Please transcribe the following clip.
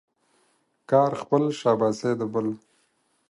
کار خپل ، شاباسي د بل.